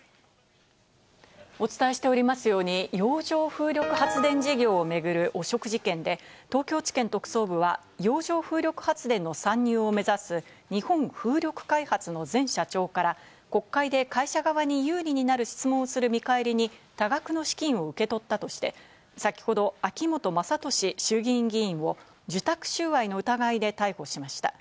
お伝えしておりますように洋上風力発電事業を巡る汚職事件で東京地検特捜部は、洋上風力発電の参入を目指す日本風力開発の前社長から国会で会社側に有利になる質問をする見返りに多額の資金を受け取ったとして、先ほど秋本真利衆議院議員を受託収賄の疑いで逮捕しました。